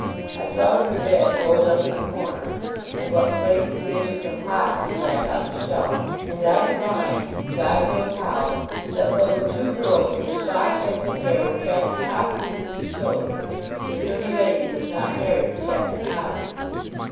I saw his bed rolled up in a corner; and what plates and dishes and pots he had, on a shelf; and I divined (God knows how) that though the two girls with the shock heads of hair were Captain Hopkins's children, the dirty lady was not married to Captain Hopkins.